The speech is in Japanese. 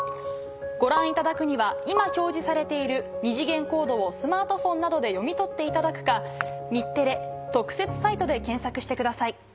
ご覧いただくには今表示されている二次元コードをスマートフォンなどで読み取っていただくか日テレ特設サイトで検索してください。